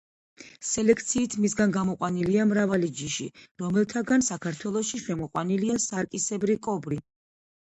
სელექციით მისგან გამოყვანილია მრავალი ჯიში, რომელთაგან საქართველოში შემოყვანილია სარკისებრი კობრი.